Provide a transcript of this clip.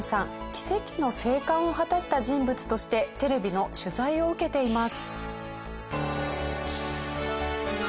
奇跡の生還を果たした人物としてテレビの取材を受けています。